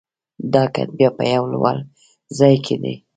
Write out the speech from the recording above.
دا کتیبه په یوه لوړ ځای کې ده